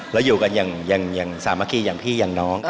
แล้วอยู่กันอย่างสามัคคีอย่างพี่อย่างน้อง